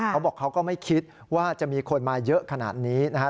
เขาบอกเขาก็ไม่คิดว่าจะมีคนมาเยอะขนาดนี้นะครับ